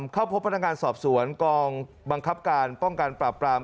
เข้าพบพนักงานสอบสวนกองบังคับการป้องกันปราบปราม